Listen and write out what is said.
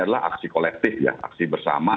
adalah aksi kolektif ya aksi bersama